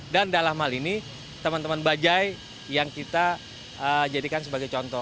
dan dalam hal ini teman teman bajai yang kita jadikan sebagai contoh